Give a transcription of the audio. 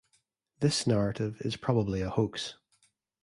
This narrative is probably a hoax.